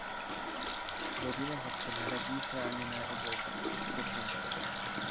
Tvořilo ho předhradí chráněné obloukem příkopu.